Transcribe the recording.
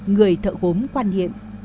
người thợ gốm quan niệm